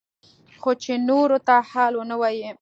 خو چې نورو ته حال ونه وايي.